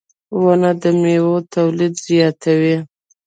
• ونه د میوو تولید زیاتوي.